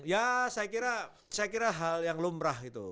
ya saya kira hal yang lumrah itu